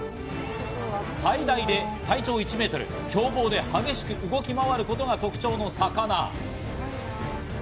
最大で体長１メートル、凶暴で激しく動き回ることが特徴の魚。